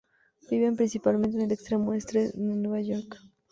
Viven principalmente en el extremo oeste de Nueva York.